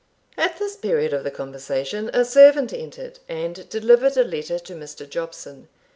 At this period of the conversation a servant entered, and delivered a letter to Mr. Jobson.